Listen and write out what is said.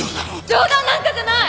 冗談なんかじゃない！